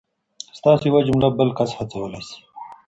ستاسو یوه جمله بل کس هڅولی سي.